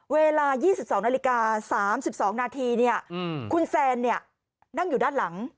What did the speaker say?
เวลา๒๒นาฬิกา๓๒นาทีคุณแซนนั่งอยู่ด้านหลัง